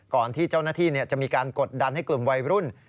ที่เจ้าหน้าที่จะมีการกดดันให้กลุ่มวัยรุ่น